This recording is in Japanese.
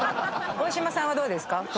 大島さんはどうですか？